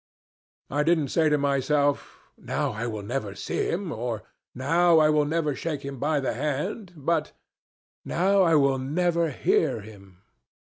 I didn't say to myself, 'Now I will never see him,' or 'Now I will never shake him by the hand,' but, 'Now I will never hear him.'